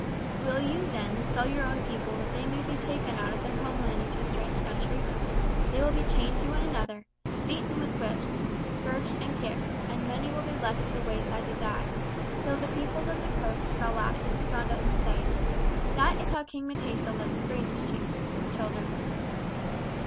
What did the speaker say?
"Will you, then, sell your own people that they may be taken out of their homeland into a strange country? They will be chained to one another, beaten with whips, scourged and kicked, and many will be left at the wayside to die; till the peoples of the coast shall laugh at Uganda and say, 'That is how King M'tesa lets strangers treat his children!'"